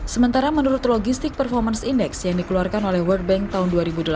sementara menurut logistic performance index yang dikeluarkan oleh world bank tahun dua ribu delapan belas